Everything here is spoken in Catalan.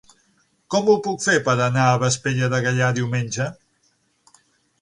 Com ho puc fer per anar a Vespella de Gaià diumenge?